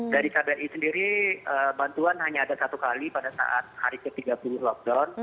dari kbri sendiri bantuan hanya ada satu kali pada saat hari ketiga bulan lockdown